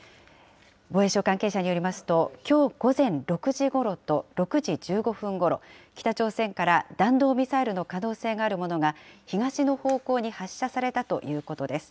防衛省関係者によりますと、きょう午前６時ごろと６時１５分ごろ、北朝鮮から弾道ミサイルの可能性があるものが、東の方向に発射されたということです。